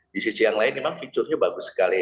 di sisi yang lain memang fiturnya bagus sekali